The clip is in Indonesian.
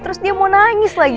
terus dia mau nangis lagi